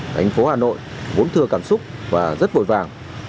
thành phố hà nội vốn thừa cảm xúc và rất vội vàng